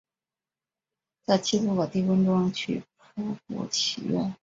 在七度的低温中去瀑布祈愿